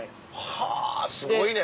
はぁすごいね。